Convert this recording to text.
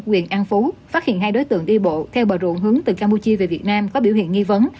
quyền an phú phát hiện hai đối tượng đi bộ theo bờ ruộng hướng từ campuchia về việt nam có biểu hiện nghi vấn